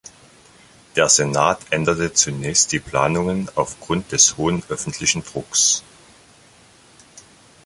Der Senat änderte zunächst die Planungen aufgrund des hohen öffentlichen Drucks.